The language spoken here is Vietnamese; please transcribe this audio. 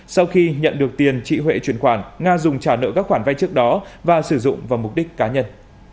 sau khi nhận được tiền chị huệ chuyển khoản nga dùng trả nợ các khoản vay trước đó và sử dụng vào mục đích cá nhân